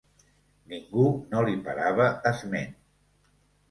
Ningú no li parava esment.